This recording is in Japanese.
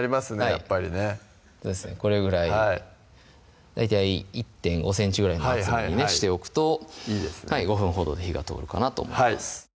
やっぱりねこれぐらいはい大体１．５ｃｍぐらいの厚みにねしておくと５分ほどで火が通るかなと思います